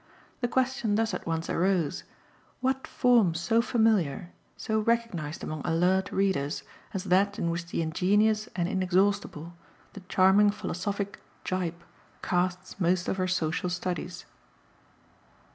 The question thus at once arose: What form so familiar, so recognised among alert readers, as that in which the ingenious and inexhaustible, the charming philosophic "Gyp" casts most of her social studies?